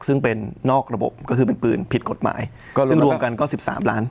ซึ่งเป็นนอกระบบก็คือเป็นปืนผิดกฎหมายซึ่งรวมกันก็สิบสามล้าน